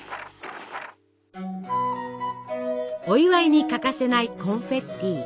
お祝いに欠かせないコンフェッティ。